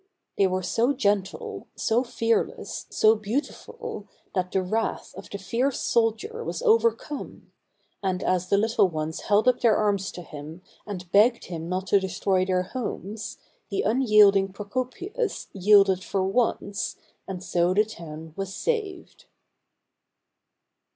They were so gentle, so fearless, so beautiful, that the wrath of the fierce soldier was overcome; and as the little ones held up their arms to him and begged him not to destroy their homes, the unyielding Procopius yielded for once, and so the town was saved.